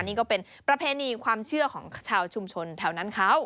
นี่ก็เป็นประเพณีความเชื่อของชาวชุมชนแถวนั้นเขา